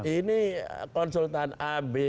ini konsultan ab